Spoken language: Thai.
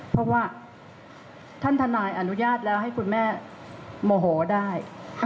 เพราะว่าท่านทนายอนุญาตแล้วให้คุณแม่โมโหได้